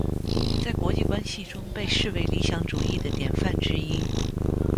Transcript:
在国际关系中被视为理想主义的典范之一。